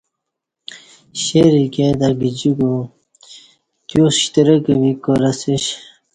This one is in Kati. شیر ایکیو تہ گجیکو تیو شترک ویک کار اسیش